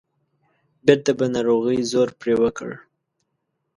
بیرته به ناروغۍ زور پرې وکړ.